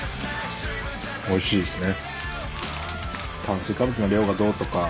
おいしいですね。